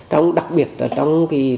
trong đặc biệt là trong